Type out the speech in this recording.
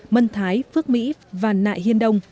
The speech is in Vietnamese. mân thái phước mỹ và nại hiên đông